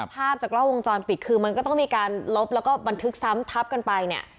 ภาพจากกล้องวงจรปิดคือมันก็ต้องมีการลบแล้วก็บันทึกซ้ำทับกันไปเนี่ย